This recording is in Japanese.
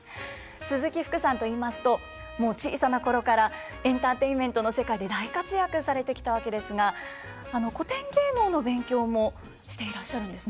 鈴木福さんといいますともう小さな頃からエンターテインメントの世界で大活躍されてきたわけですが古典芸能の勉強もしていらっしゃるんですね。